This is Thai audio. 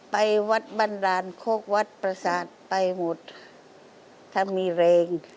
ไปวัดบันดาลโคกวัดประสาทไปหุดถ้ามีแรง